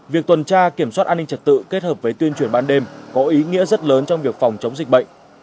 việc tuần tra kiểm soát an ninh trật tự kết hợp với tuyên truyền ban đêm có ý nghĩa rất lớn trong việc phòng chống dịch bệnh